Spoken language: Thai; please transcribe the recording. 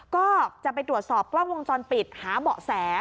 ก็จะไปตรวจสอบกล้องวงจรปิดหาเบาะแส